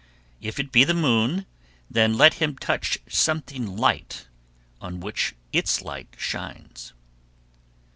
If it be the moon, then let him touch something light, on which its light shines.